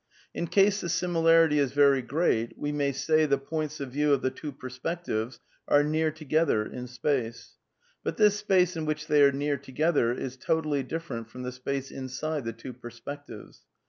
... In case the similarity is very great, we say k the points of view of the. two perspectives are near together inr ^ space; but this space in which they are near together is totally different from the space inside the two perspectives.